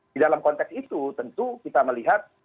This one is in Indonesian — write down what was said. di dalam konteks itu tentu kita melihat